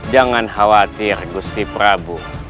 jangan khawatir gusti prabu